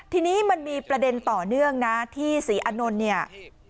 ทีนี้มันมีประเด็นต่อเนื่องนะที่ศรีอานนท์เนี่ย